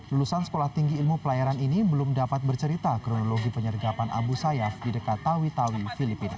lulusan sekolah tinggi ilmu pelayaran ini belum dapat bercerita kronologi penyergapan abu sayyaf di dekat tawi tawi filipina